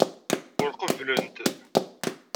Ur qebblent.